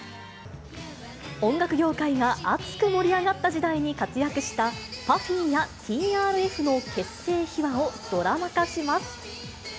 音楽業界が熱く盛り上がった時代に活躍したＰＵＦＦＹやＴＲＦの結成秘話をドラマ化します。